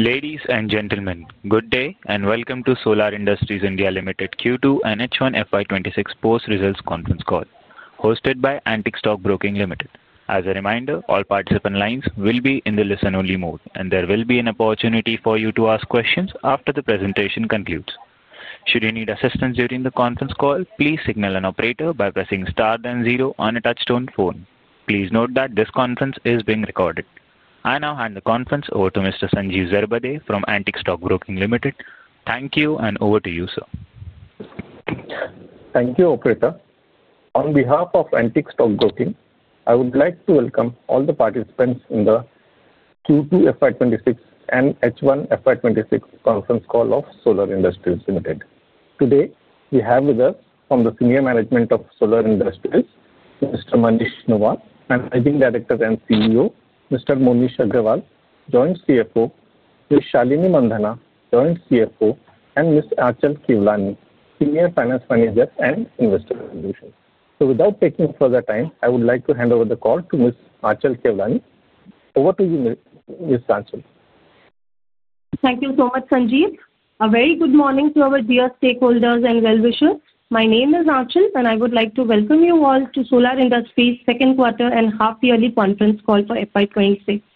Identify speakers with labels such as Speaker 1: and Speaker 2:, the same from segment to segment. Speaker 1: Ladies and gentlemen, good day and welcome to Solar Industries India Limited Q2 NH1 FY26 Post Results Conference Call, hosted by Antik Stock Broking Limited. As a reminder, all participant lines will be in the listen-only mode, and there will be an opportunity for you to ask questions after the presentation concludes. Should you need assistance during the conference call, please signal an operator by pressing star then zero on a touchstone phone. Please note that this conference is being recorded. I now hand the conference over to Mr. Sanjeev Zarbade from Antik Stock Broking Limited. Thank you, and over to you, sir.
Speaker 2: Thank you, Operator. On behalf of Antik Stock Broking, I would like to welcome all the participants in the Q2 FY2026 and H1 FY2026 Conference Call of Solar Industries India Limited. Today, we have with us from the Senior Management of Solar Industries, Mr. Manish Nuwal, Managing Director and CEO, Mr. Moneesh Agrawal, Joint CFO, Ms. Shalinee Mandhana, Joint CFO, and Ms. Aanchal Kewlani, Senior Finance Manager and Investor Solutions. So, without taking further time, I would like to hand over the call to Ms. Aanchal Kewlani. Over to you, Ms. Aanchal.
Speaker 3: Thank you so much, Sanjeev. A very good morning to our dear stakeholders and well-wishers. My name is Achal, and I would like to welcome you all to Solar Industries' second quarter and half-yearly conference call for FY 2026.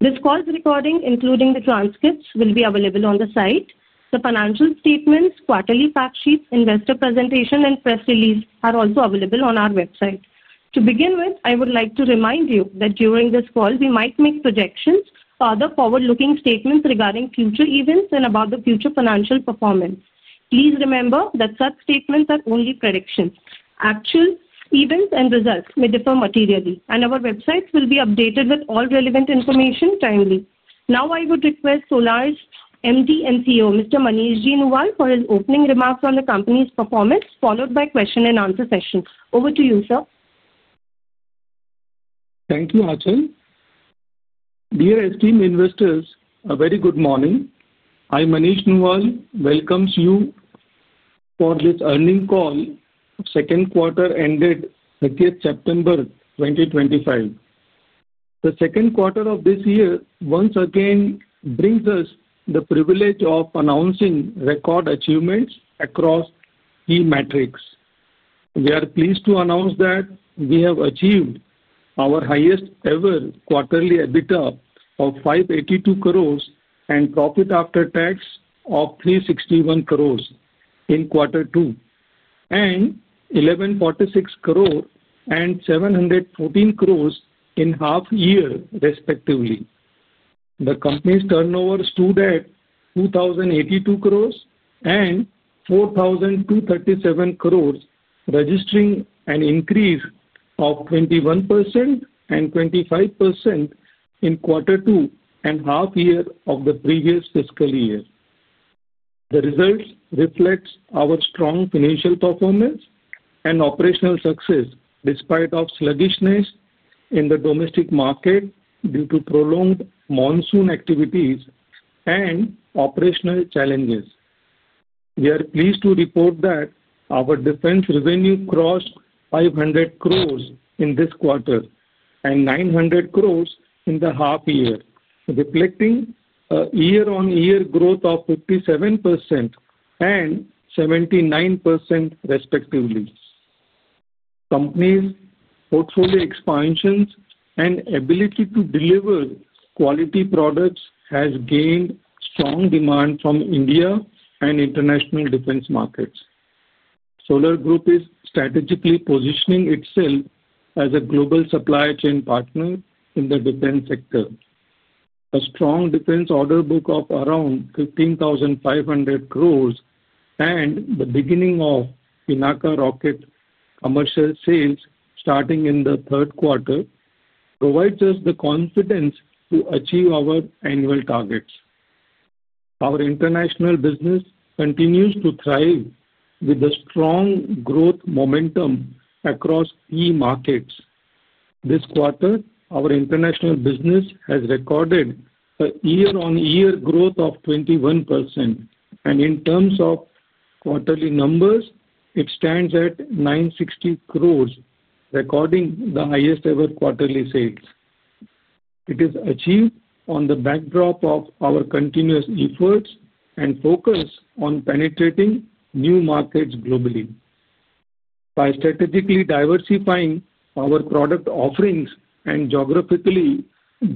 Speaker 3: This call's recording, including the transcripts, will be available on the site. The financial statements, quarterly fact sheets, investor presentation, and press release are also available on our website. To begin with, I would like to remind you that during this call, we might make projections or other forward-looking statements regarding future events and about the future financial performance. Please remember that such statements are only predictions. Actual events and results may differ materially, and our websites will be updated with all relevant information timely. Now, I would request Solar's MD and CEO, Mr. Manish J. Nuwal, for his opening remarks on the company's performance, followed by a question-and-answer session. Over to you, sir.
Speaker 4: Thank you, Aanchal. Dear esteemed investors, a very good morning. I manage to welcome you for this earning call. Second quarter ended 30th September 2025. The second quarter of this year once again brings us the privilege of announcing record achievements across key metrics. We are pleased to announce that we have achieved our highest-ever quarterly EBITDA of INR 582 crore and profit after tax of INR 361 crore in quarter two and INR 1,146 crore and INR 714 crore in half-year, respectively. The company's turnover stood at 2,082 crore and 4,237 crore, registering an increase of 21% and 25% in quarter two and half-year of the previous fiscal year. The results reflect our strong financial performance and operational success despite sluggishness in the domestic market due to prolonged monsoon activities and operational challenges. We are pleased to report that our defense revenue crossed 500 crore in this quarter and 900 crore in the half-year, reflecting a year-on-year growth of 57% and 79%, respectively. The company's portfolio expansions and ability to deliver quality products have gained strong demand from India and international defense markets. Solar Industries is strategically positioning itself as a global supply chain partner in the defense sector. A strong defense order book of around 15,500 crore and the beginning of Pinaka Rocket commercial sales starting in the third quarter provide us the confidence to achieve our annual targets. Our international business continues to thrive with the strong growth momentum across key markets. This quarter, our international business has recorded a year-on-year growth of 21%, and in terms of quarterly numbers, it stands at 960 crore, recording the highest-ever quarterly sales. It is achieved on the backdrop of our continuous efforts and focus on penetrating new markets globally. By strategically diversifying our product offerings and geographically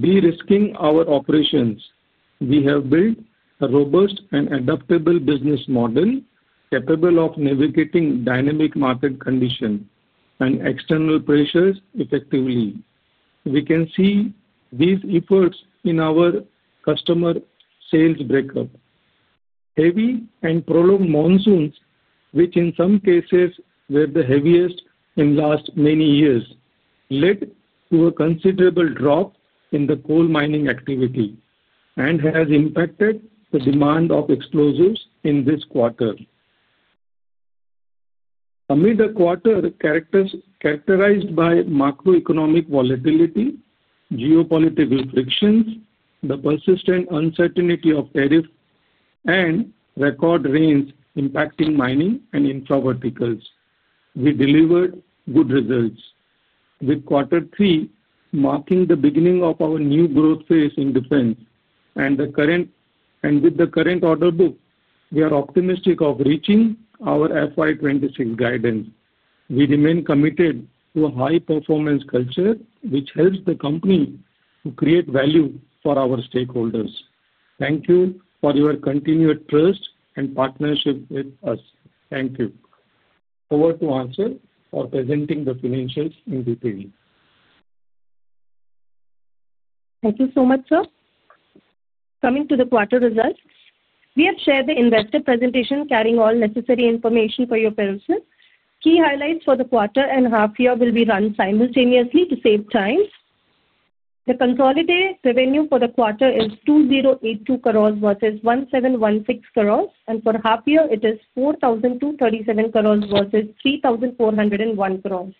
Speaker 4: de-risking our operations, we have built a robust and adaptable business model capable of navigating dynamic market conditions and external pressures effectively. We can see these efforts in our customer sales breakup. Heavy and prolonged monsoons, which in some cases were the heaviest in the last many years, led to a considerable drop in the coal mining activity and has impacted the demand of explosives in this quarter. Amid a quarter characterized by macroeconomic volatility, geopolitical frictions, the persistent uncertainty of tariffs, and record rains impacting mining and infra verticals, we delivered good results, with quarter three marking the beginning of our new growth phase in defense. With the current order book, we are optimistic of reaching our FY2026 guidance. We remain committed to a high-performance culture, which helps the company to create value for our stakeholders. Thank you for your continued trust and partnership with us. Thank you. Over to Aanchal for presenting the financials in detail.
Speaker 3: Thank you so much, sir. Coming to the quarter results, we have shared the investor presentation carrying all necessary information for your purposes. Key highlights for the quarter and half-year will be run simultaneously to save time. The consolidated revenue for the quarter is 2,082 crore versus 1,716 crore, and for half-year, it is 4,237 crore versus 3,401 crore.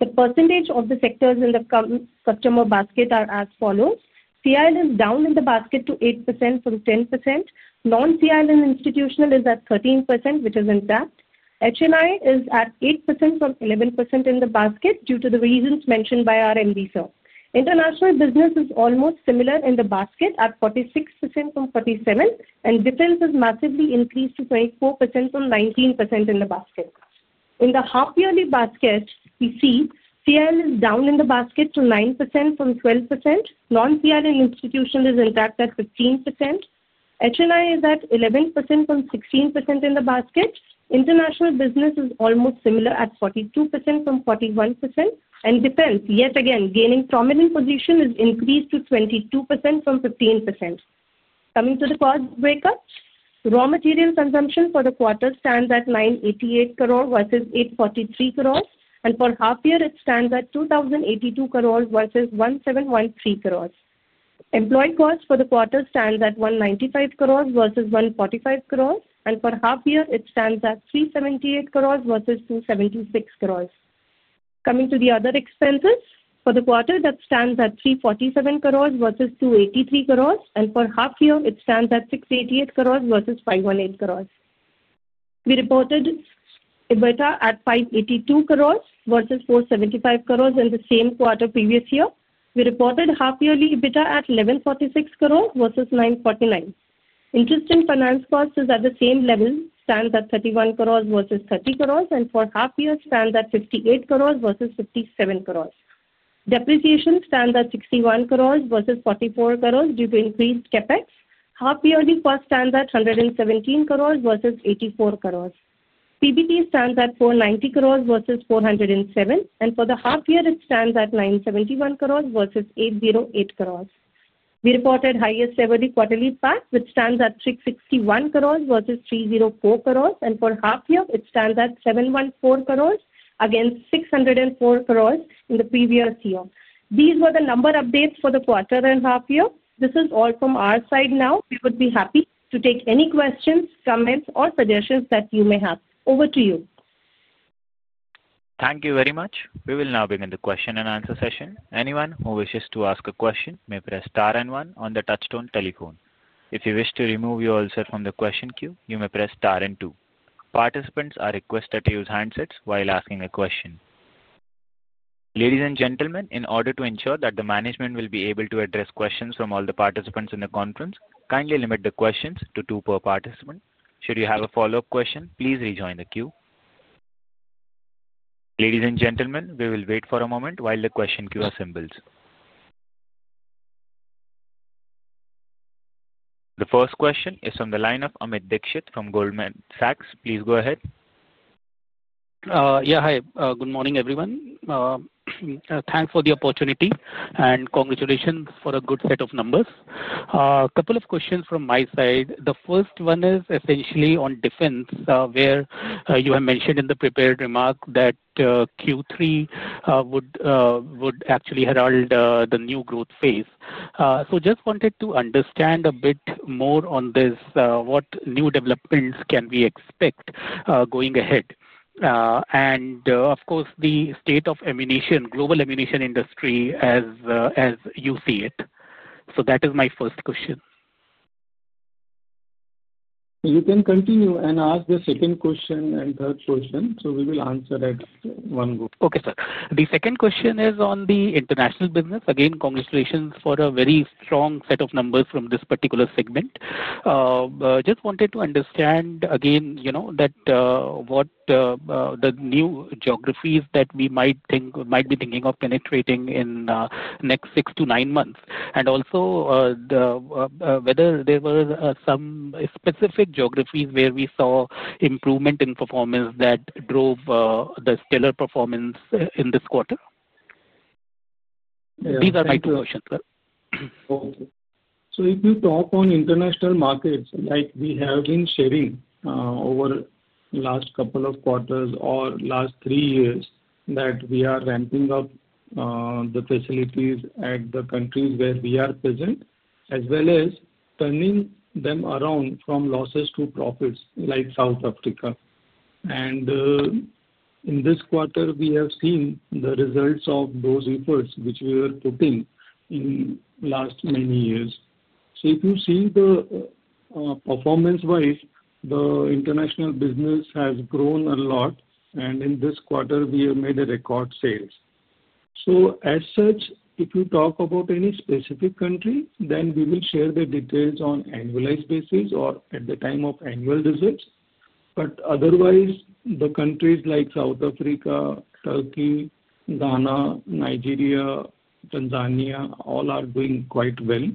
Speaker 3: The percentage of the sectors in the customer basket are as follows. CIL is down in the basket to 8% from 10%. Non-CIL and institutional is at 13%, which is intact. HNI is at 8% from 11% in the basket due to the reasons mentioned by our MD, sir. International business is almost similar in the basket at 46% from 47%, and defense has massively increased to 24% from 19% in the basket. In the half-yearly basket, we see CIL is down in the basket to 9% from 12%. Non-CIL and institutional is intact at 15%. HNI is at 11% from 16% in the basket. International business is almost similar at 42% from 41%, and defense, yet again, gaining prominent position, is increased to 22% from 15%. Coming to the cost breakup, raw material consumption for the quarter stands at 988 crore versus 843 crore, and for half-year, it stands at 2,082 crore versus 1,713 crore. Employee cost for the quarter stands at 195 crore versus 145 crore, and for half-year, it stands at 378 crore versus 276 crore. Coming to the other expenses for the quarter, that stands at 347 crore versus 283 crore, and for half-year, it stands at 688 crore versus 518 crore. We reported EBITDA at 582 crore versus 475 crore in the same quarter previous year. We reported half-yearly EBITDA at 1,146 crore versus 949 crore. Interest and finance costs are at the same level, stands at 31 crores versus 30 crores, and for half-year, stands at 58 crores versus 57 crores. Depreciation stands at 61 crores versus 44 crores due to increased CapEx. Half-yearly cost stands at 117 crores versus 84 crores. PBT stands at 490 crores versus 407 crores, and for the half-year, it stands at 971 crores versus 808 crores. We reported highest-ever quarterly PAT, which stands at 661 crores versus 304 crores, and for half-year, it stands at 714 crores against 604 crores in the previous year. These were the number updates for the quarter and half-year. This is all from our side now. We would be happy to take any questions, comments, or suggestions that you may have. Over to you.
Speaker 1: Thank you very much. We will now begin the question-and-answer session. Anyone who wishes to ask a question may press star and one on the touchstone telephone. If you wish to remove your answer from the question queue, you may press star and two. Participants are requested to use handsets while asking a question. Ladies and gentlemen, in order to ensure that the management will be able to address questions from all the participants in the conference, kindly limit the questions to two per participant. Should you have a follow-up question, please rejoin the queue. Ladies and gentlemen, we will wait for a moment while the question queue assembles. The first question is from the line of Amit Dixit from Goldman Sachs. Please go ahead.
Speaker 5: Yeah, hi. Good morning, everyone. Thanks for the opportunity and congratulations for a good set of numbers. A couple of questions from my side. The first one is essentially on defense, where you have mentioned in the prepared remark that Q3 would actually herald the new growth phase. Just wanted to understand a bit more on this, what new developments can we expect going ahead? Of course, the state of global ammunition industry as you see it. That is my first question.
Speaker 4: You can continue and ask the second question and third question, so we will answer at one go.
Speaker 5: Okay, sir. The second question is on the international business. Again, congratulations for a very strong set of numbers from this particular segment. Just wanted to understand, again, what the new geographies that we might be thinking of penetrating in the next six to nine months, and also whether there were some specific geographies where we saw improvement in performance that drove the stellar performance in this quarter. These are my two questions, sir.
Speaker 4: Okay. If you talk on international markets, like we have been sharing over the last couple of quarters or last three years, we are ramping up the facilities at the countries where we are present, as well as turning them around from losses to profits like South Africa. In this quarter, we have seen the results of those efforts which we were putting in the last many years. If you see the performance-wise, the international business has grown a lot, and in this quarter, we have made record sales. As such, if you talk about any specific country, then we will share the details on an annualized basis or at the time of annual results. Otherwise, the countries like South Africa, Turkey, Ghana, Nigeria, Tanzania, all are doing quite well.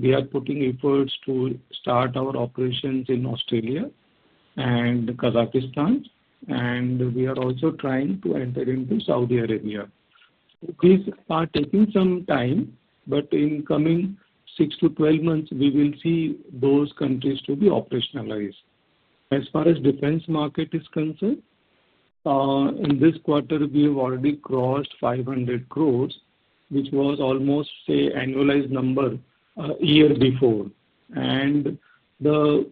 Speaker 4: We are putting efforts to start our operations in Australia and Kazakhstan, and we are also trying to enter into Saudi Arabia. These are taking some time, but in the coming 6-12 months, we will see those countries to be operationalized. As far as the defense market is concerned, in this quarter, we have already crossed 500 crore, which was almost an annualized number a year before. The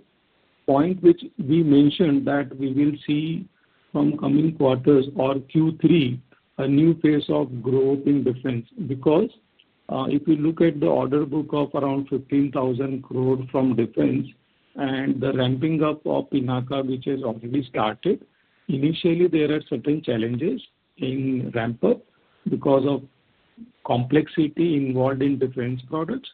Speaker 4: point which we mentioned is that we will see from coming quarters or Q3, a new phase of growth in defense. If you look at the order book of around 15,000 crore from defense and the ramping up of Pinaka, which has already started, initially, there are certain challenges in ramp-up because of complexity involved in defense products.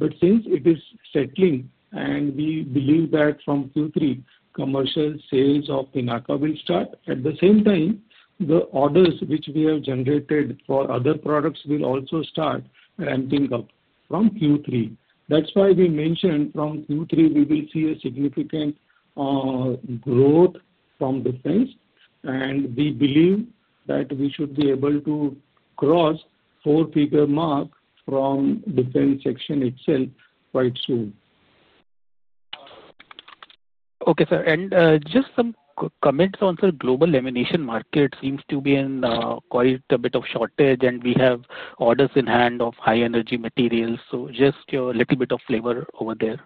Speaker 4: Since it is settling, we believe that from Q3, commercial sales of Pinaka will start. At the same time, the orders which we have generated for other products will also start ramping up from Q3. That is why we mentioned from Q3, we will see a significant growth from defense, and we believe that we should be able to cross the four-figure mark from defense section itself quite soon.
Speaker 5: Okay, sir. Just some comments on, sir, global ammunition market seems to be in quite a bit of shortage, and we have orders in hand of high-energy materials. Just a little bit of flavor over there.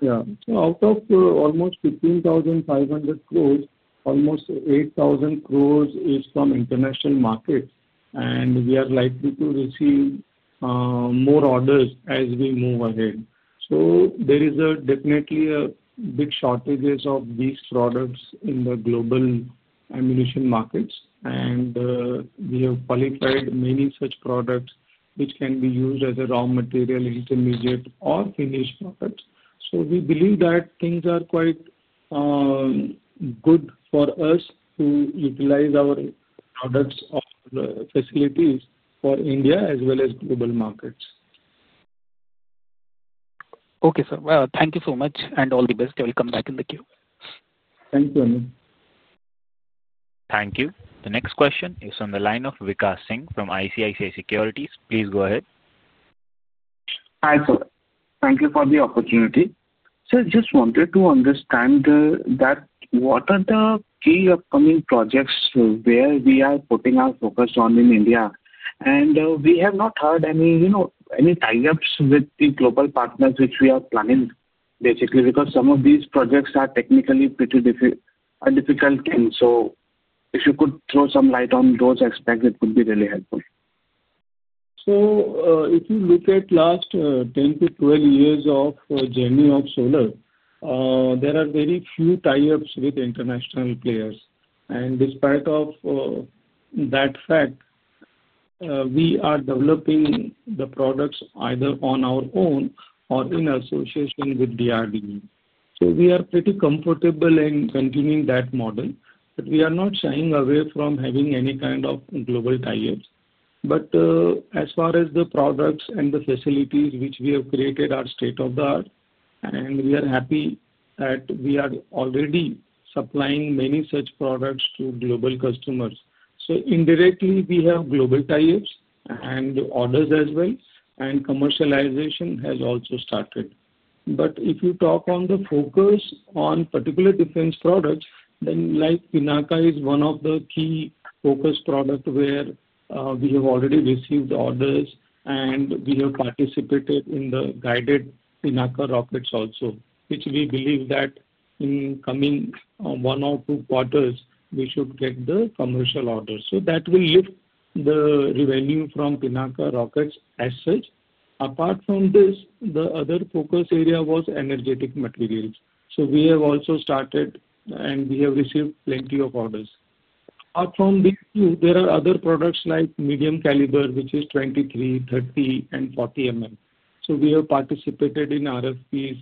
Speaker 4: Yeah. Out of almost 15,500 crore, almost 8,000 crore is from international markets, and we are likely to receive more orders as we move ahead. There is definitely a big shortage of these products in the global ammunition markets, and we have qualified many such products which can be used as a raw material, intermediate, or finished products. We believe that things are quite good for us to utilize our products or facilities for India as well as global markets.
Speaker 5: Okay, sir. Thank you so much, and all the best. We'll come back in the queue.
Speaker 4: Thank you, Amit.
Speaker 1: Thank you. The next question is from the line of Vikas Singh from ICICI Securities. Please go ahead.
Speaker 6: Hi, sir. Thank you for the opportunity. Sir, I just wanted to understand what are the key upcoming projects where we are putting our focus on in India? We have not heard any tie-ups with the global partners which we are planning, basically, because some of these projects are technically pretty difficult. If you could throw some light on those aspects, it would be really helpful.
Speaker 4: If you look at the last 10-12 years of the journey of Solar, there are very few tie-ups with international players. Despite that fact, we are developing the products either on our own or in association with DRDO. We are pretty comfortable in continuing that model, but we are not shying away from having any kind of global tie-ups. As far as the products and the facilities which we have created, they are state-of-the-art, and we are happy that we are already supplying many such products to global customers. Indirectly, we have global tie-ups and orders as well, and commercialization has also started. If you talk on the focus on particular defense products, then Pinaka is one of the key focus products where we have already received orders, and we have participated in the guided Pinaka rockets also, which we believe that in the coming one or two quarters, we should get the commercial orders. That will lift the revenue from Pinaka rockets as such. Apart from this, the other focus area was energetic materials. We have also started, and we have received plenty of orders. Apart from these, there are other products like medium caliber, which is 23, 30, and 40. We have participated in RFPs,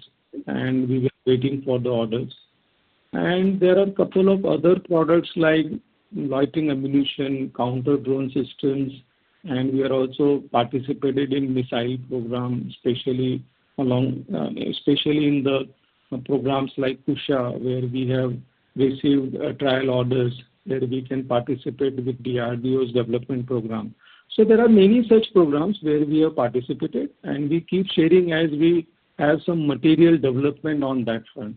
Speaker 4: and we were waiting for the orders. There are a couple of other products like lighting ammunition, counter-drone systems, and we have also participated in missile programs, especially in the programs like Kusha, where we have received trial orders that we can participate with DRDO's development program. There are many such programs where we have participated, and we keep sharing as we have some material development on that front.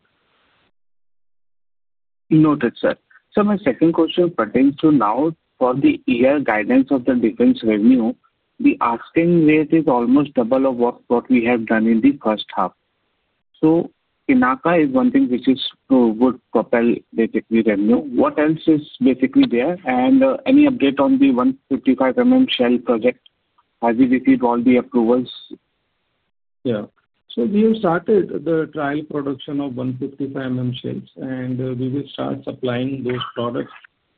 Speaker 6: Noted, sir. My second question pertains to now for the year guidance of the defense revenue. The asking rate is almost double of what we have done in the first half. Pinaka is one thing which would propel basically revenue. What else is basically there? Any update on the 155 Shell project? Have we received all the approvals?
Speaker 4: Yeah. We have started the trial production of 155 Shells, and we will start supplying those products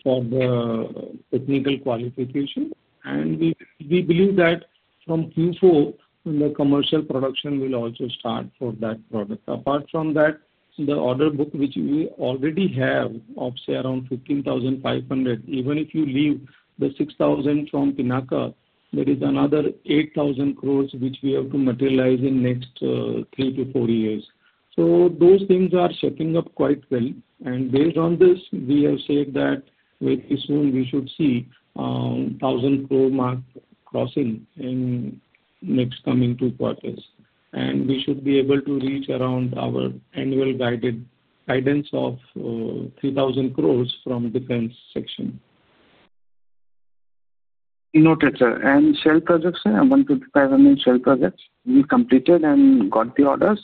Speaker 4: for the technical qualification. We believe that from Q4, the commercial production will also start for that product. Apart from that, the order book which we already have of around 15,500 crore, even if you leave the 6,000 crore from Pinaka, there is another 8,000 crore which we have to materialize in the next three to four years. Those things are shaping up quite well. Based on this, we have said that very soon we should see the 1,000 crore mark crossing in the next coming two quarters. We should be able to reach around our annual guidance of 3,000 crore from the defense section.
Speaker 6: Noted, sir. And shell projects, sir, 155 Shell projects, we completed and got the orders?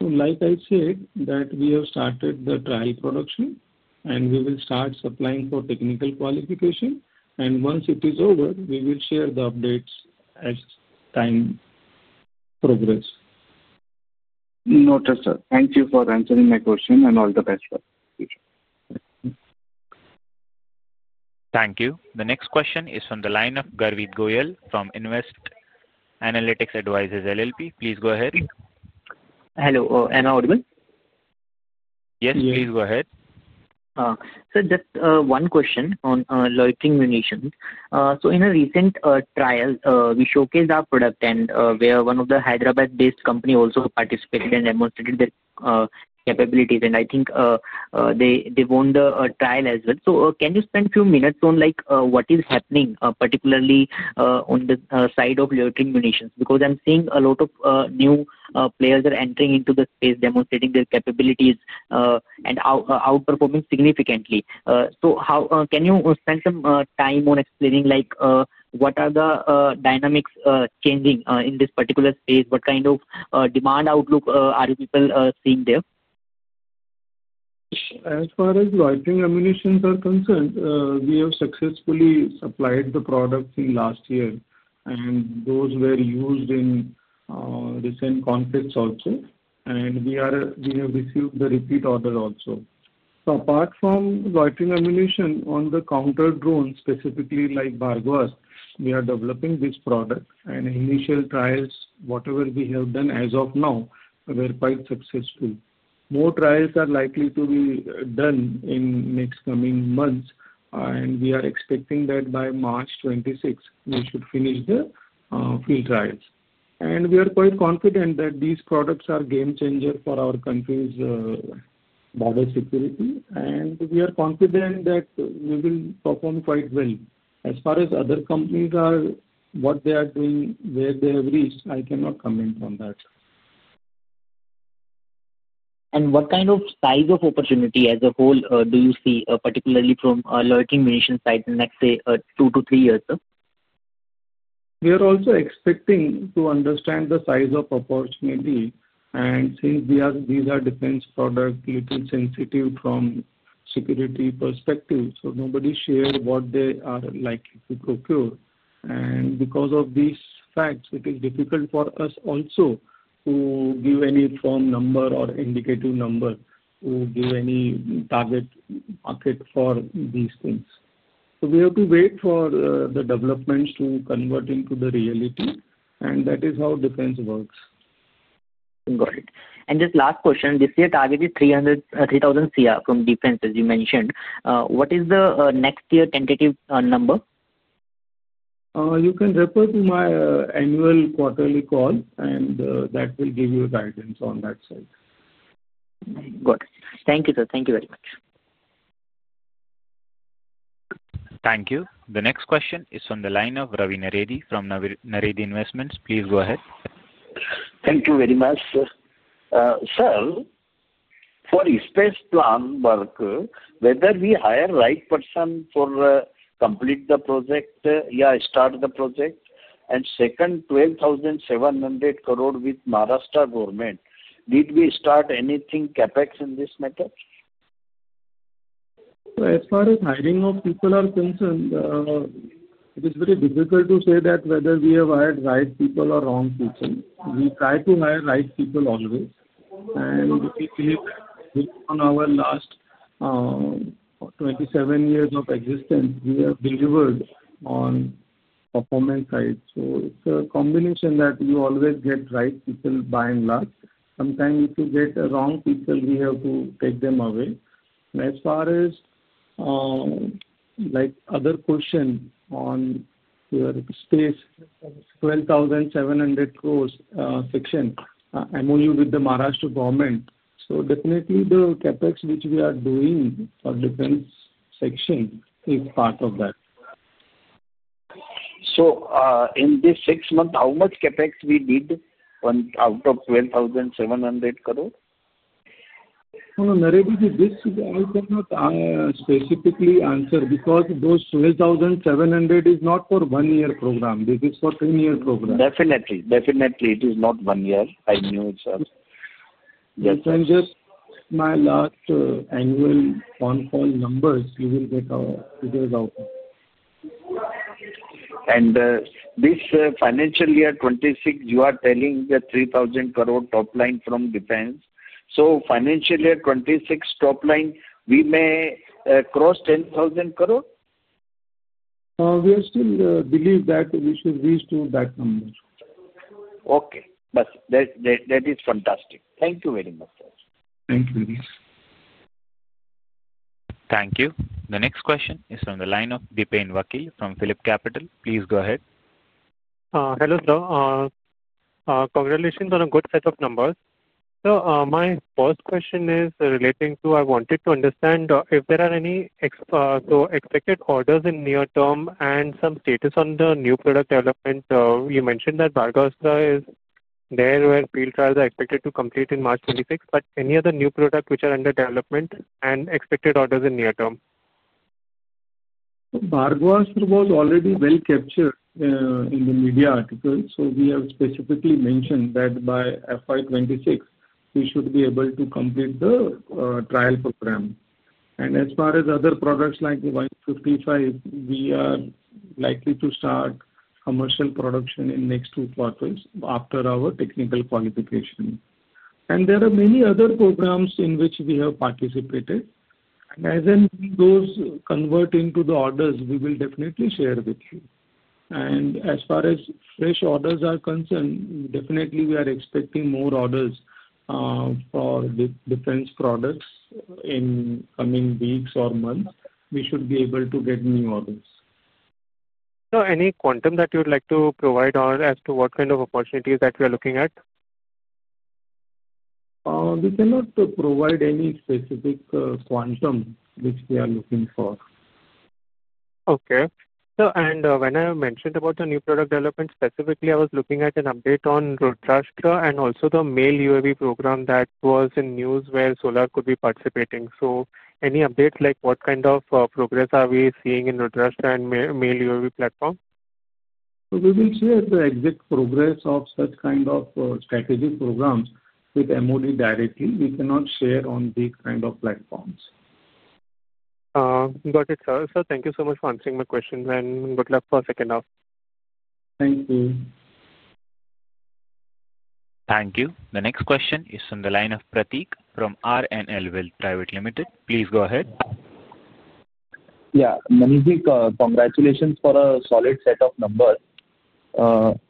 Speaker 4: Like I said, that we have started the trial production, and we will start supplying for technical qualification. Once it is over, we will share the updates as time progresses.
Speaker 6: Noted, sir. Thank you for answering my question, and all the best for the future.
Speaker 1: Thank you. The next question is from the line of Garvit Goyal from Nvest Analytics Advisors LLP. Please go ahead.
Speaker 7: Hello. Am I audible?
Speaker 1: Yes, please go ahead.
Speaker 7: Sir, just one question on lighting ammunition. In a recent trial, we showcased our product, and one of the Hyderabad-based companies also participated and demonstrated their capabilities. I think they won the trial as well. Can you spend a few minutes on what is happening, particularly on the side of lighting ammunition? I am seeing a lot of new players are entering into the space, demonstrating their capabilities and outperforming significantly. Can you spend some time on explaining what are the dynamics changing in this particular space? What kind of demand outlook are you people seeing there?
Speaker 4: As far as lighting ammunition are concerned, we have successfully supplied the products in the last year, and those were used in recent conflicts also. We have received the repeat order also. Apart from lighting ammunition on the counter-drone, specifically like Bhargavastra, we are developing this product. Initial trials, whatever we have done as of now, were quite successful. More trials are likely to be done in the next coming months, and we are expecting that by March 2026, we should finish the field trials. We are quite confident that these products are a game changer for our country's border security, and we are confident that we will perform quite well. As far as other companies are, what they are doing, where they have reached, I cannot comment on that.
Speaker 7: What kind of size of opportunity as a whole do you see, particularly from lighting ammunition side, in the next, say, two to three years?
Speaker 4: We are also expecting to understand the size of opportunity. Since these are defense products, it is sensitive from a security perspective. Nobody shared what they are likely to procure. Because of these facts, it is difficult for us also to give any firm number or indicative number to give any target market for these things. We have to wait for the developments to convert into the reality, and that is how defense works.
Speaker 7: Got it. And just last question. This year, target is 3,000 crore from defense, as you mentioned. What is the next year tentative number?
Speaker 4: You can refer to my annual quarterly call, and that will give you guidance on that side.
Speaker 7: Good. Thank you, sir. Thank you very much.
Speaker 1: Thank you. The next question is from the line of Ravi Naredi from Naredi Investments. Please go ahead.
Speaker 8: Thank you very much, sir. Sir, for the space plan work, whether we hire the right person to complete the project or start the project? Second, 12,700 crore with Maharashtra government, did we start anything CapEx in this matter?
Speaker 4: As far as hiring of people are concerned, it is very difficult to say that whether we have hired the right people or the wrong people. We try to hire the right people always. If you look on our last 27 years of existence, we have delivered on the performance side. It is a combination that you always get the right people by and large. Sometimes if you get the wrong people, we have to take them away. As far as other questions on the space, 12,700 crore section, MOU with the Maharashtra government. Definitely, the CapEx which we are doing for defense section is part of that.
Speaker 8: In this six months, how much CapEx we did out of 12,700 crore?
Speaker 4: Naredi, this I cannot specifically answer because those 12,700 is not for a one-year program. This is for a two-year program.
Speaker 8: Definitely. Definitely. It is not one year. I knew it, sir.
Speaker 4: If I just my last annual on-call numbers, you will get figures out.
Speaker 8: This financial year 2026, you are telling the 3,000 crore top line from defense. Financial year 2026 top line, we may cross 10,000 crore?
Speaker 4: We still believe that we should reach to that number.
Speaker 8: Okay. That is fantastic. Thank you very much, sir.
Speaker 4: Thank you very much.
Speaker 1: Thank you. The next question is from the line of Dipen Vakil from Phillip Capital. Please go ahead.
Speaker 9: Hello, sir. Congratulations on a good set of numbers. My first question is relating to I wanted to understand if there are any expected orders in the near term and some status on the new product development. You mentioned that Bhargavastra is there where field trials are expected to complete in March 2026. Any other new products which are under development and expected orders in the near term?
Speaker 4: Bhargavastra was already well captured in the media articles. We have specifically mentioned that by FY 2026, we should be able to complete the trial program. As far as other products like the 155, we are likely to start commercial production in the next two quarters after our technical qualification. There are many other programs in which we have participated. As those convert into the orders, we will definitely share with you. As far as fresh orders are concerned, definitely, we are expecting more orders for defense products in the coming weeks or months. We should be able to get new orders.
Speaker 9: Any quantum that you would like to provide as to what kind of opportunities that we are looking at?
Speaker 4: We cannot provide any specific quantum which we are looking for.
Speaker 9: Okay. When I mentioned about the new product development, specifically, I was looking at an update on Rudrastra and also the male UAV program that was in news where Solar could be participating. Any updates like what kind of progress are we seeing in Rudrastra and male UAV platform?
Speaker 4: We will share the exact progress of such kind of strategic programs with MOD directly. We cannot share on these kind of platforms.
Speaker 5: Got it, sir. Sir, thank you so much for answering my question, and good luck for a second half.
Speaker 4: Thank you.
Speaker 1: Thank you. The next question is from the line of Prateek from RNL Wealth Private Limited. Please go ahead.
Speaker 10: Yeah. Manish, congratulations for a solid set of numbers.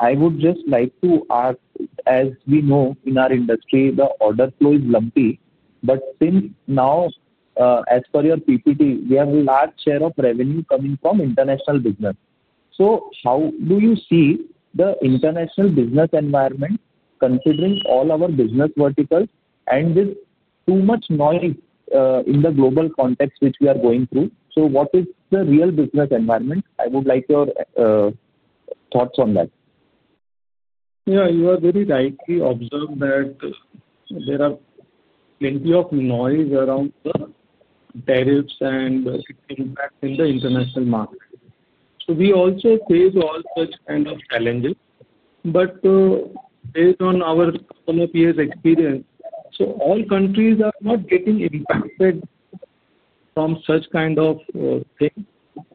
Speaker 10: I would just like to ask, as we know in our industry, the order flow is lumpy. But since now, as per your PPT, we have a large share of revenue coming from international business. So how do you see the international business environment considering all our business verticals and with too much noise in the global context which we are going through? So what is the real business environment? I would like your thoughts on that.
Speaker 4: Yeah. You are very right. We observe that there is plenty of noise around the tariffs and impact in the international market. We also face all such kind of challenges. Based on our some of years' experience, all countries are not getting impacted from such kind of things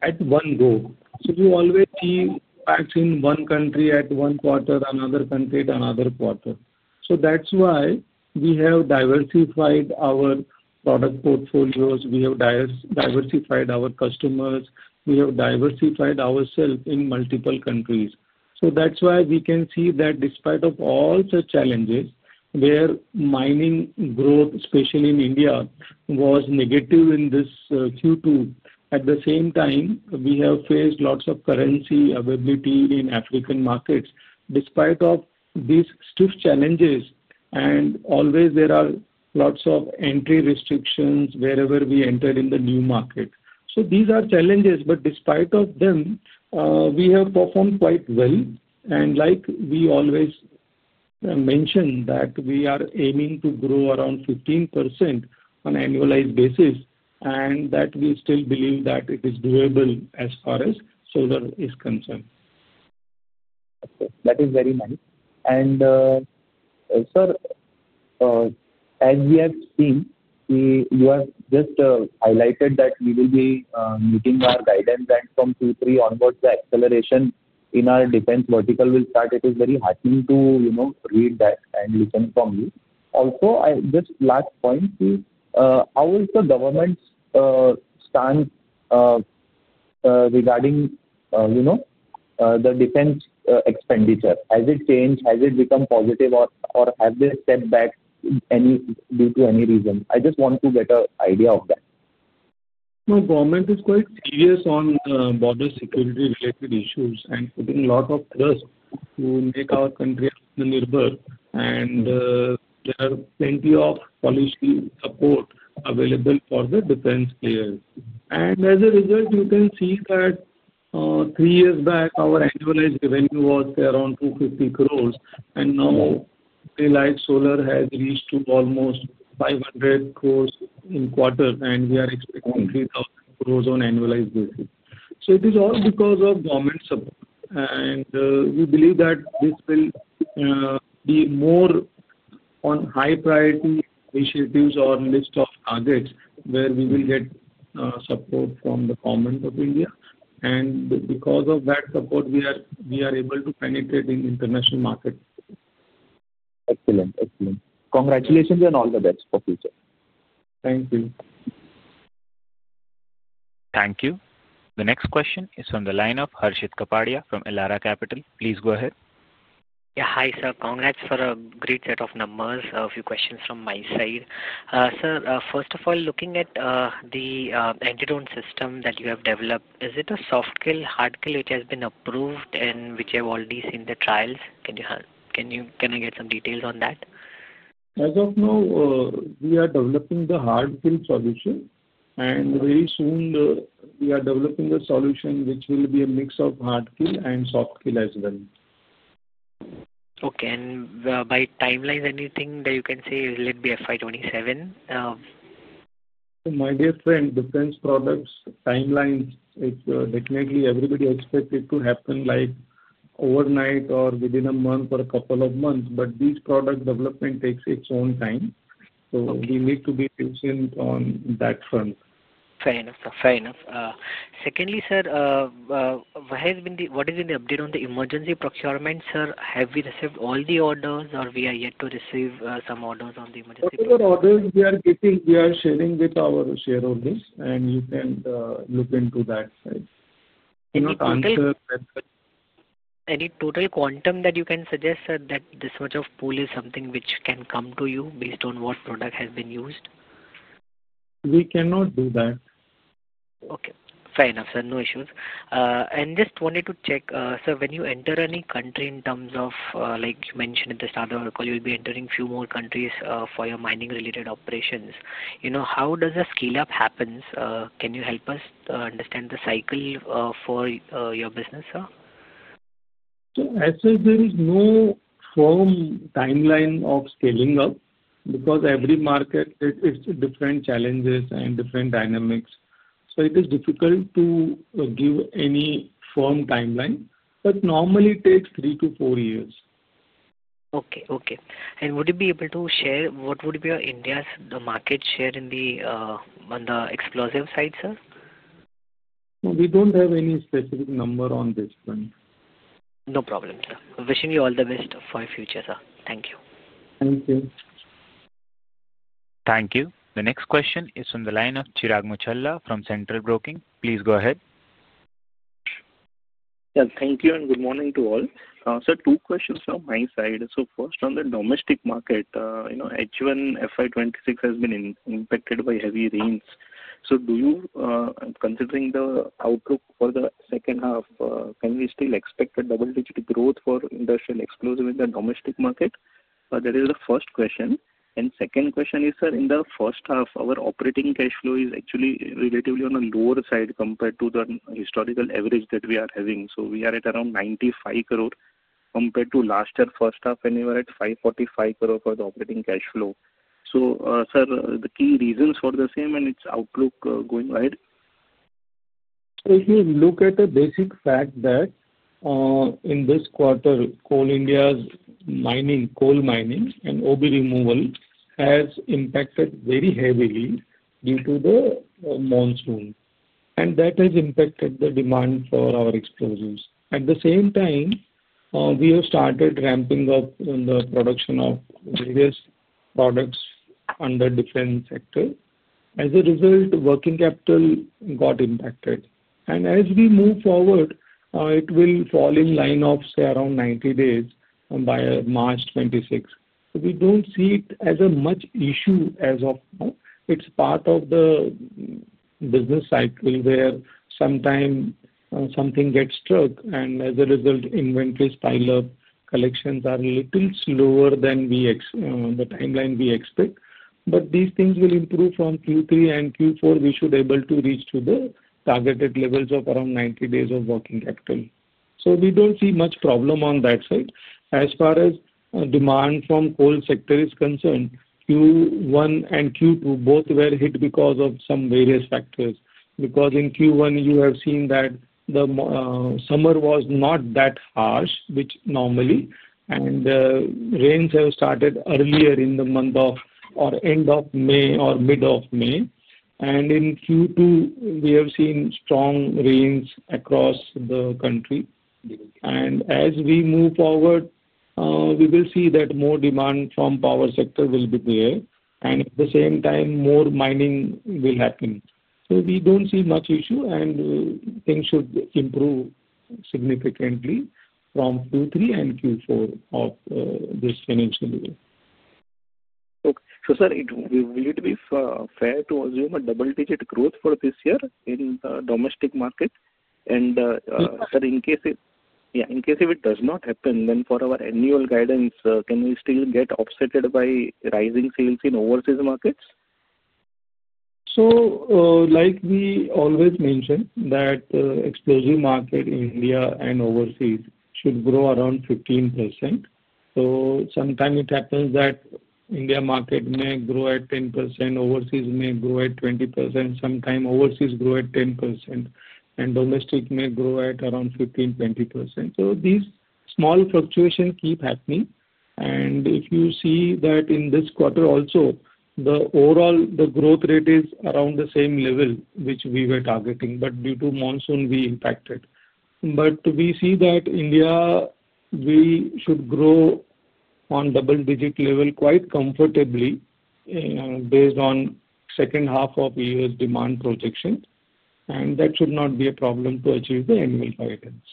Speaker 4: at one go. You always see impacts in one country at one quarter, another country at another quarter. That is why we have diversified our product portfolios. We have diversified our customers. We have diversified ourselves in multiple countries. That is why we can see that despite all such challenges where mining growth, especially in India, was negative in this Q2, at the same time, we have faced lots of currency availability in African markets. Despite these stiff challenges, and always there are lots of entry restrictions wherever we entered in the new market. These are challenges. Despite them, we have performed quite well. Like we always mentioned, we are aiming to grow around 15% on an annualized basis, and we still believe that it is doable as far as Solar is concerned.
Speaker 10: That is very nice. Sir, as we have seen, you have just highlighted that we will be meeting our guidance, and from Q3 onwards, the acceleration in our defense vertical will start. It is very heartening to read that and listen from you. Also, just last point, how is the government's stance regarding the defense expenditure? Has it changed? Has it become positive, or have they stepped back due to any reason? I just want to get an idea of that.
Speaker 4: The government is quite serious on border security-related issues and putting a lot of trust to make our country dependent. There are plenty of policy support available for the defense players. As a result, you can see that three years back, our annualized revenue was around 250 crore. Now, Solar has reached almost 500 crore in quarters, and we are expecting 3,000 crore on an annualized basis. It is all because of government support. We believe that this will be more on high-priority initiatives or list of targets where we will get support from the government of India. Because of that support, we are able to penetrate the international market.
Speaker 10: Excellent. Excellent. Congratulations and all the best for the future.
Speaker 4: Thank you.
Speaker 1: Thank you. The next question is from the line of Harshit Kapadia from Elara Capital. Please go ahead.
Speaker 11: Yeah. Hi, sir. Congrats for a great set of numbers. A few questions from my side. Sir, first of all, looking at the anti-drone system that you have developed, is it a soft kill, hard kill, which has been approved and which you have already seen the trials? Can I get some details on that?
Speaker 4: As of now, we are developing the hard kill solution. Very soon, we are developing a solution which will be a mix of hard kill and soft kill as well.
Speaker 11: Okay. By timelines, anything that you can say, will it be FY 2027?
Speaker 4: My dear friend, defense products' timelines are definitely everybody expects it to happen like overnight or within a month or a couple of months. These product developments take their own time. We need to be patient on that front.
Speaker 11: Fair enough. Fair enough. Secondly, sir, what has been the update on the emergency procurement, sir? Have we received all the orders, or we are yet to receive some orders on the emergency?
Speaker 4: Whatever orders we are getting, we are sharing with our shareholders, and you can look into that side.
Speaker 11: Any total quantum that you can suggest, sir, that this much of pool is something which can come to you based on what product has been used?
Speaker 4: We cannot do that.
Speaker 11: Okay. Fair enough, sir. No issues. Just wanted to check, sir, when you enter any country in terms of, like you mentioned at the start of our call, you'll be entering a few more countries for your mining-related operations. How does the scale-up happen? Can you help us understand the cycle for your business, sir?
Speaker 4: As I said, there is no firm timeline of scaling up because every market has different challenges and different dynamics. It is difficult to give any firm timeline. Normally, it takes three to four years.
Speaker 11: Okay. Okay. Would you be able to share what would be India's market share on the explosive side, sir?
Speaker 4: We don't have any specific number on this one.
Speaker 7: No problem, sir. Wishing you all the best for your future, sir. Thank you.
Speaker 4: Thank you.
Speaker 1: Thank you. The next question is from the line of Chirag Muchhala from Centrum Broking. Please go ahead.
Speaker 12: Thank you and good morning to all. Sir, two questions from my side. First, on the domestic market, H1 FY 2026 has been impacted by heavy rains. Considering the outlook for the second half, can we still expect a double-digit growth for industrial explosive in the domestic market? That is the first question. Second question is, sir, in the first half, our operating cash flow is actually relatively on the lower side compared to the historical average that we are having. We are at around 95 crore compared to last year's first half, when we were at 545 crore for the operating cash flow. Sir, the key reasons for the same and its outlook going ahead?
Speaker 4: If you look at the basic fact that in this quarter, mining, coal mining, and OB removal has impacted very heavily due to the monsoon. That has impacted the demand for our explosives. At the same time, we have started ramping up the production of various products under defense sector. As a result, working capital got impacted. As we move forward, it will fall in line of around 90 days by March 2026. We do not see it as much issue as of now. It is part of the business cycle where sometime something gets struck, and as a result, inventories pile up. Collections are a little slower than the timeline we expect. These things will improve from Q3 and Q4. We should be able to reach to the targeted levels of around 90 days of working capital. We do not see much problem on that side. As far as demand from the coal sector is concerned, Q1 and Q2 both were hit because of some various factors. In Q1, you have seen that the summer was not that harsh, which normally, and rains have started earlier in the month of or end of May or mid of May. In Q2, we have seen strong rains across the country. As we move forward, we will see that more demand from the power sector will be there. At the same time, more mining will happen. We do not see much issue, and things should improve significantly from Q3 and Q4 of this financial year.
Speaker 12: Okay. So sir, will it be fair to assume a double-digit growth for this year in the domestic market? In case it does not happen, then for our annual guidance, can we still get offset by rising sales in overseas markets?
Speaker 4: Like we always mentioned, the explosive market in India and overseas should grow around 15%. Sometime it happens that India market may grow at 10%, overseas may grow at 20%, sometime overseas grow at 10%, and domestic may grow at around 15%-20%. These small fluctuations keep happening. If you see that in this quarter also, the overall growth rate is around the same level which we were targeting. Due to monsoon, we impacted. We see that India, we should grow on double-digit level quite comfortably based on the second half of the year's demand projection. That should not be a problem to achieve the annual guidance.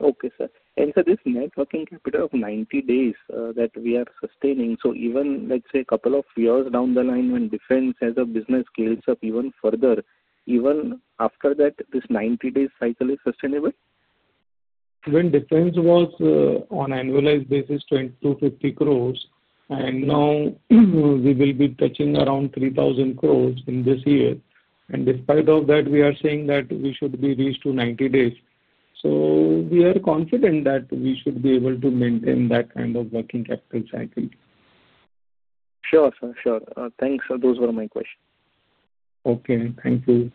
Speaker 12: Okay, sir. And sir, this net working capital of 90 days that we are sustaining, so even let's say a couple of years down the line when defense as a business scales up even further, even after that, this 90-day cycle is sustainable?
Speaker 4: When defense was on an annualized basis 250 crore, and now we will be touching around 3,000 crore in this year. Despite all that, we are saying that we should be reached to 90 days. We are confident that we should be able to maintain that kind of working capital cycle.
Speaker 12: Sure, sir. Sure. Thanks. Those were my questions.
Speaker 4: Okay. Thank you.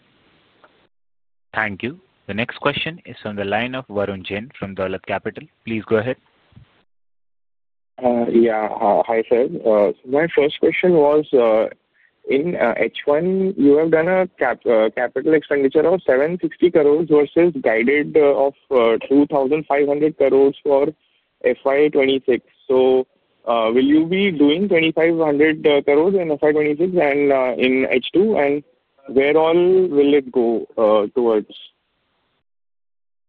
Speaker 1: Thank you. The next question is from the line of Varun Jain from Dolat Capital. Please go ahead.
Speaker 13: Yeah. Hi, sir. My first question was, in H1, you have done a CapEx of 760 crore versus guided of 2,500 crore for FY 2026. Will you be doing 2,500 crore in FY 2026 and in H2? Where all will it go towards?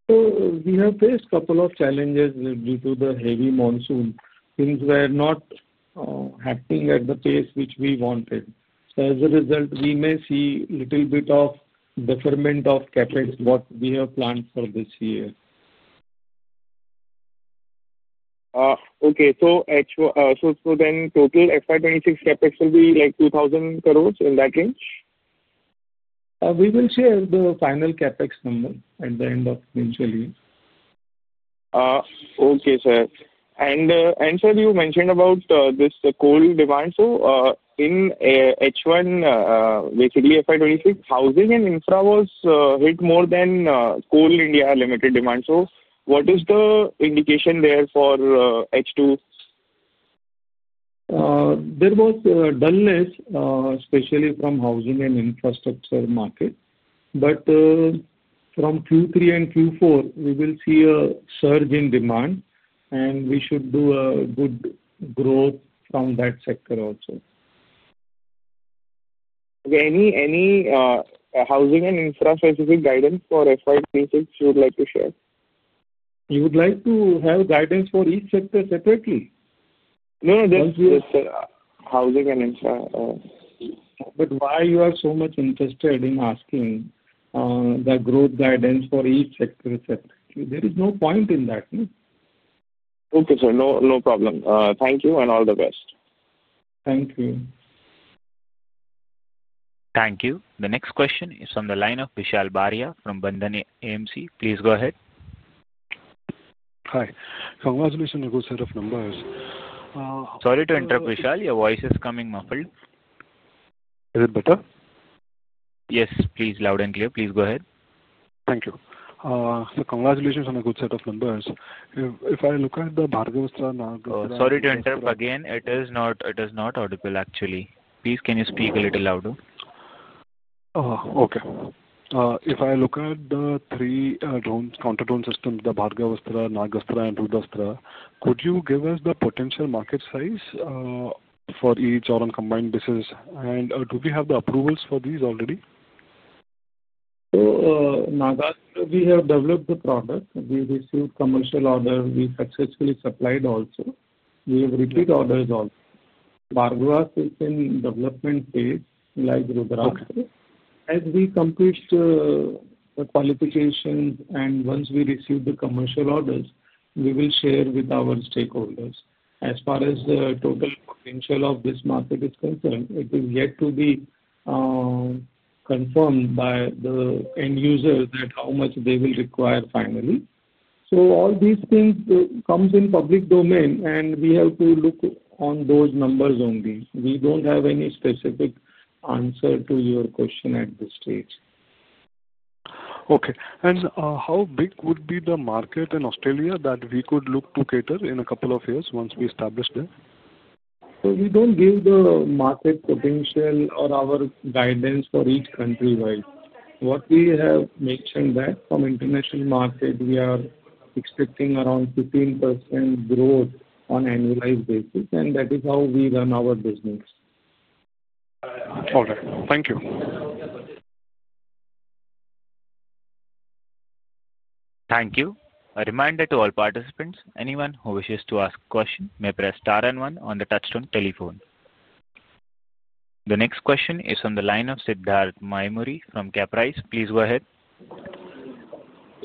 Speaker 4: We have faced a couple of challenges due to the heavy monsoon. Things were not happening at the pace which we wanted. As a result, we may see a little bit of deferment of CapEx, what we have planned for this year.
Speaker 13: Okay. So then total FY 2026 CapEx will be like 2,000 crore in that range?
Speaker 4: We will share the final CapEx number at the end of the financial year.
Speaker 13: Okay, sir. Sir, you mentioned about this coal demand. In H1, basically fiscal year 2026, housing and infra was hit more than Coal India Limited demand. What is the indication there for H2?
Speaker 4: There was a dullness, especially from housing and infrastructure market. From Q3 and Q4, we will see a surge in demand, and we should do a good growth from that sector also.
Speaker 13: Any housing and infra-specific guidance for FY 2026 you would like to share?
Speaker 4: You would like to have guidance for each sector separately?
Speaker 13: No, just housing and infra.
Speaker 4: Why are you so much interested in asking the growth guidance for each sector separately? There is no point in that.
Speaker 13: Okay, sir. No problem. Thank you and all the best.
Speaker 4: Thank you.
Speaker 1: Thank you. The next question is from the line of Vishal Baria from Bandhani AMC. Please go ahead.
Speaker 14: Hi. Congratulations on a good set of numbers.
Speaker 1: Sorry to interrupt, Vishal. Your voice is coming muffled.
Speaker 14: Is it better?
Speaker 1: Yes, please, loud and clear. Please go ahead.
Speaker 14: Thank you. Congratulations on a good set of numbers. If I look at the Bhargavastra...
Speaker 1: Sorry to interrupt again. It is not audible, actually. Please, can you speak a little louder?
Speaker 14: Okay. If I look at the three counter-drone systems, the Bhargavastra, Nagastra, and Rudastra, could you give us the potential market size for each on a combined basis? Do we have the approvals for these already?
Speaker 4: We have developed the product. We received commercial orders. We successfully supplied also. We have repeat orders also. Bhargavastra is in development phase, like Rudastra. As we complete the qualifications and once we receive the commercial orders, we will share with our stakeholders. As far as the total potential of this market is concerned, it is yet to be confirmed by the end user how much they will require finally. All these things come in the public domain, and we have to look on those numbers only. We do not have any specific answer to your question at this stage.
Speaker 14: Okay. How big would be the market in Australia that we could look to cater in a couple of years once we establish there?
Speaker 4: We don't give the market potential or our guidance for each country-wide. What we have mentioned is that from the international market, we are expecting around 15% growth on an annualized basis. That is how we run our business.
Speaker 14: All right. Thank you.
Speaker 1: Thank you. A reminder to all participants. Anyone who wishes to ask a question may press star and one on the touchstone telephone. The next question is from the line of Siddharth Maimuri from Caprize. Please go ahead.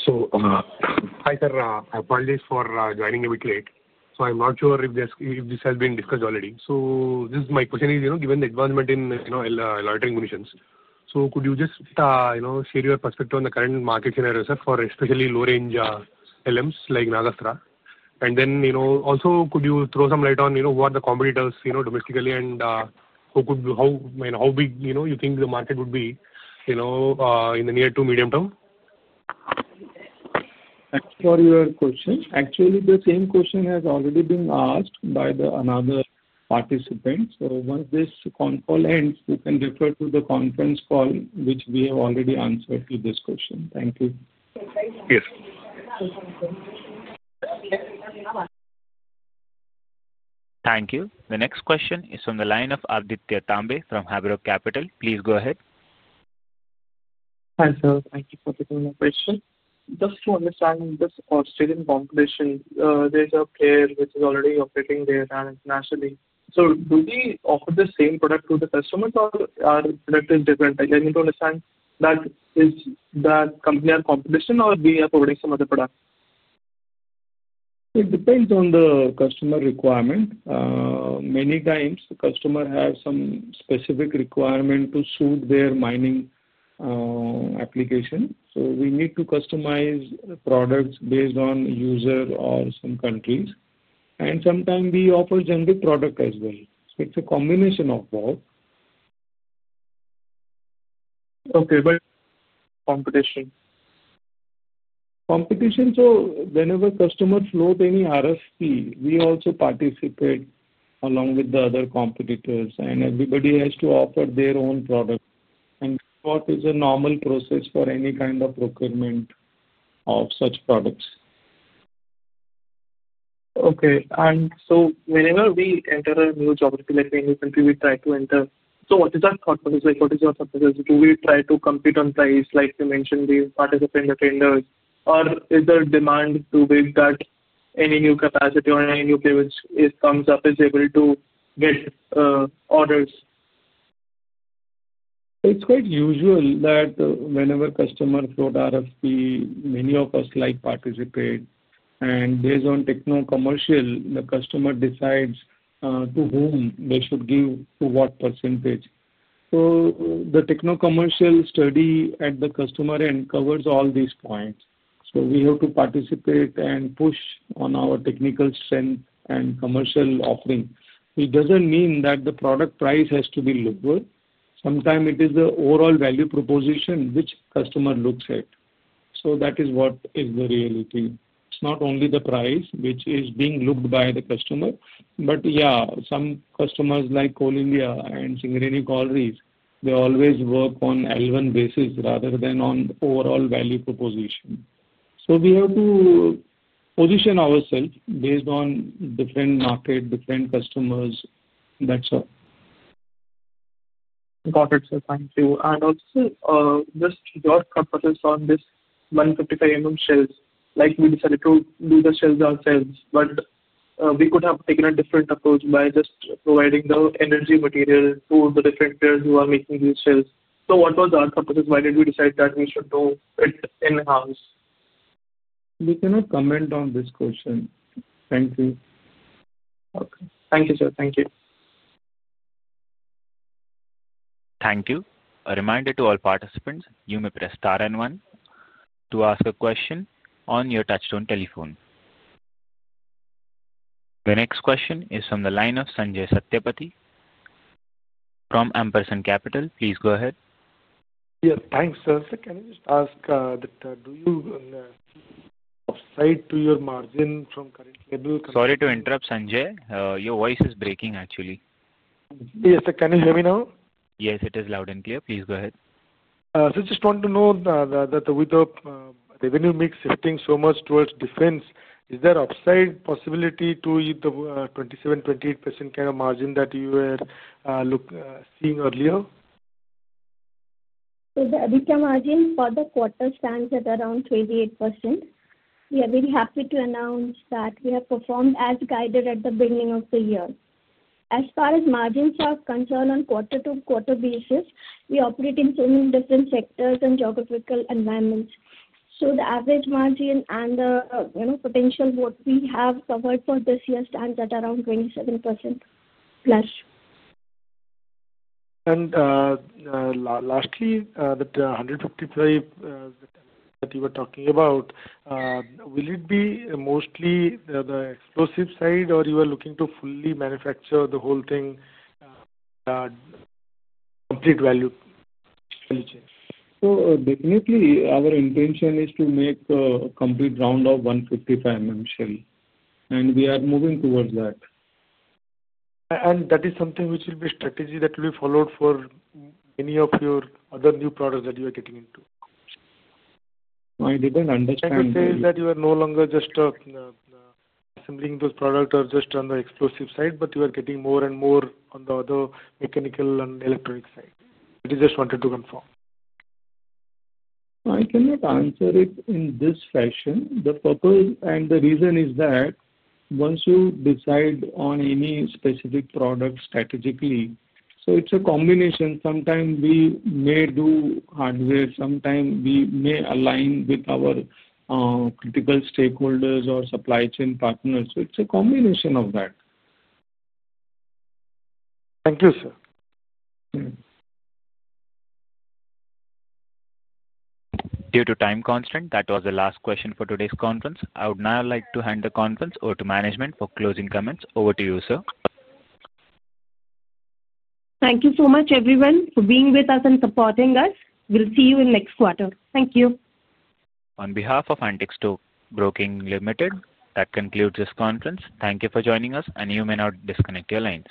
Speaker 15: Hi, sir. I apologize for joining a bit late. I'm not sure if this has been discussed already. My question is, given the advancement in loitering munitions, could you just share your perspective on the current market scenario, sir, for especially low-range LMs like Nagastra? Also, could you throw some light on who are the competitors domestically and how big you think the market would be in the near to medium term?
Speaker 4: Actually, your question, the same question has already been asked by another participant. Once this call ends, you can refer to the conference call, which we have already answered to this question. Thank you.
Speaker 15: Yes.
Speaker 1: Thank you. The next question is from the line of Aaditya Tambe from Abyro Capital. Please go ahead.
Speaker 16: Hi, sir. Thank you for taking my question. Just to understand, this Australian competition, there's a player which is already operating there internationally. Do we offer the same product to the customers, or are the products different? I need to understand, is that company our competition, or are we providing some other product?
Speaker 4: It depends on the customer requirement. Many times, the customer has some specific requirement to suit their mining application. We need to customize products based on user or some countries. Sometimes we offer a general product as well. It is a combination of both.
Speaker 16: Okay. Competition?
Speaker 4: Competition. Whenever customers float any RFP, we also participate along with the other competitors. Everybody has to offer their own product. That is a normal process for any kind of procurement of such products.
Speaker 16: Okay. Whenever we enter a new geography, like a new country, we try to enter. What is our thought process? What is your thought process? Do we try to compete on price, like you mentioned, the participant attendance? Or is there a demand to make that any new capacity or any new player which comes up is able to get orders?
Speaker 4: It's quite usual that whenever customers float RFP, many of us like to participate. Based on techno-commercial, the customer decides to whom they should give to what percentage. The techno-commercial study at the customer end covers all these points. We have to participate and push on our technical strength and commercial offering. It doesn't mean that the product price has to be lower. Sometime it is the overall value proposition which the customer looks at. That is what is the reality. It's not only the price which is being looked by the customer. Some customers like Coal India and Singareni Collieries, they always work on L1 basis rather than on overall value proposition. We have to position ourselves based on different market, different customers, that's all.
Speaker 16: Got it. Thank you. Also, just your thought process on this 155 Shell. Like we decided to do the shells ourselves, but we could have taken a different approach by just providing the energetic material to the different players who are making these shells. What was our thought process? Why did we decide that we should do it in-house?
Speaker 4: We cannot comment on this question. Thank you.
Speaker 16: Okay. Thank you, sir. Thank you.
Speaker 1: Thank you. A reminder to all participants, you may press star and one to ask a question on your touchstone telephone. The next question is from the line of Sanjaya Satapathy from Ampersand Capital. Please go ahead.
Speaker 17: Yes. Thanks, sir. Can I just ask that do you see upside to your margin from current level?
Speaker 1: Sorry to interrupt, Sanjay. Your voice is breaking, actually.
Speaker 17: Yes, sir. Can you hear me now?
Speaker 1: Yes. It is loud and clear. Please go ahead.
Speaker 17: I just want to know that with the revenue mix shifting so much towards defense, is there upside possibility to hit the 27%-28% kind of margin that you were seeing earlier?
Speaker 18: The EBITDA margin for the quarter stands at around 28%. We are very happy to announce that we have performed as guided at the beginning of the year. As far as margins are concerned on quarter-to-quarter basis, we operate in so many different sectors and geographical environments. The average margin and the potential what we have covered for this year stands at around 27% plus.
Speaker 17: Lastly, that 155 that you were talking about, will it be mostly the explosive side, or you are looking to fully manufacture the whole thing at complete value chain?
Speaker 4: Definitely, our intention is to make a complete round of 155 shell. We are moving towards that.
Speaker 17: Is that something which will be a strategy that will be followed for many of your other new products that you are getting into?
Speaker 4: I didn't understand.
Speaker 17: It would say that you are no longer just assembling those products or just on the explosive side, but you are getting more and more on the other mechanical and electronic side. I just wanted to confirm.
Speaker 4: I cannot answer it in this fashion. The purpose and the reason is that once you decide on any specific product strategically, it is a combination. Sometime we may do hardware. Sometime we may align with our critical stakeholders or supply chain partners. It is a combination of that.
Speaker 15: Thank you, sir.
Speaker 1: Due to time constant, that was the last question for today's conference. I would now like to hand the conference over to management for closing comments. Over to you, sir.
Speaker 18: Thank you so much, everyone, for being with us and supporting us. We'll see you in the next quarter. Thank you.
Speaker 1: On behalf of Antik Stock Broking Limited, that concludes this conference. Thank you for joining us, and you may now disconnect your line.